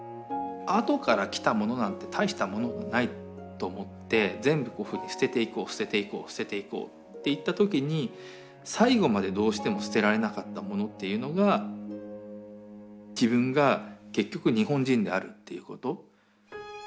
後から来たものなんて大したものもないと思って全部こういうふうに捨てていこう捨てていこう捨てていこうっていった時に最後までどうしても捨てられなかったものっていうのが自分が結局日本人であるっていうこと。